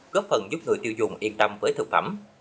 góp phần giúp người tiêu dùng yên tâm với thực phẩm